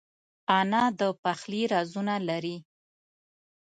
انا د پخلي رازونه لري